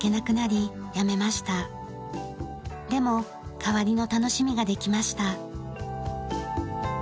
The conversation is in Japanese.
でも代わりの楽しみができました。